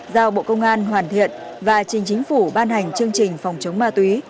giao bộ công an hoàn thiện và trình chính phủ ban hành chương trình phòng chống ma túy